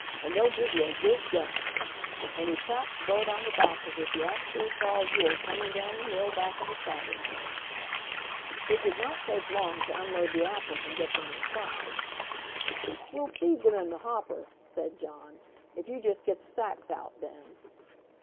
And they'll give you a good gun," and he clapped Bert on the back as if he actually saw a war coming down the hill back of the cider mill. It did not take long to unload the apples and get them inside. "We'll feed them in the hopper," said John, "if you just get the sacks out, Ben."